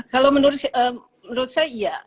kalau menurut saya ya